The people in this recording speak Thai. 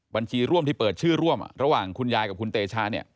บัญชีร่วมที่เปิดชื่อร่วมระหว่างคุณยายกับคุณเตชาเนี่ย